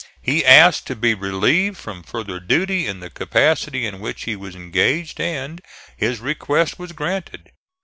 He asked to be relieved from further duty in the capacity in which he was engaged and his request was granted.